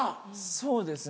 そうですね